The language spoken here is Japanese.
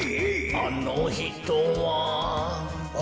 「あのひとは」